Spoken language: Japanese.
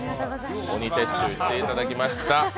鬼撤収していただきました。